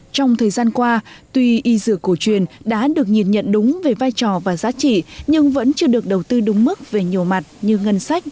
trong thời gian qua tuy y dược cổ truyền đã được nhìn nhận đúng về vai trò và giá trị nhưng vẫn chưa được đầu tư đúng mức về nhiều mặt như ngân sách